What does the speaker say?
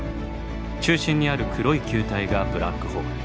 中心にある黒い球体がブラックホール。